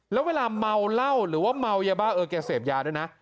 แล้วเวลาเมาเหล้าหรือว่าเมายาบ้าเออแกเสพยาด้วยนะ